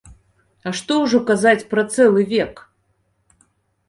А што ўжо казаць пра цэлы век.